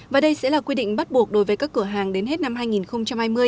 và đây sẽ là quy định bắt buộc đối với các cửa hàng đến hết năm hai nghìn hai mươi